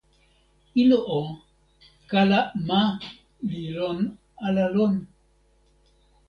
ilo o, kala ma li lon ala lon?